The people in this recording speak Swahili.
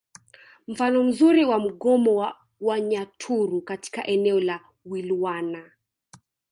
Mfano mzuri wa mgomo wa Wanyaturu katika eneo la Wilwana